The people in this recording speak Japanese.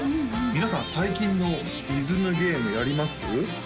皆さん最近のリズムゲームやります？